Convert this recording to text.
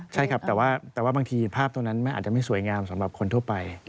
ใช่ครับแต่ว่าบางทีภาพตรงนั้นมันอาจจะไม่สวยงามสำหรับคนทั่วไป